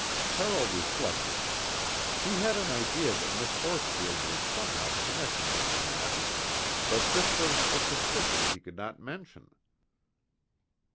Carroll reflected. He had an idea that Miss Horsfield was somehow connected with the matter, but this was a suspicion he could not mention.